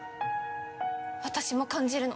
私も感じるの。